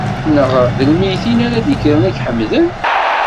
Neɣ d lmeyytin ara d-ikkren ad k-ḥemden?